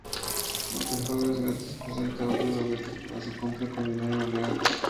Aunque el juego es gratis, presenta otros objetos para su compra con dinero real.